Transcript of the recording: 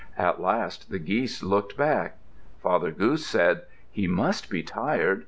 At last the geese looked back. Father Goose said, "He must be tired.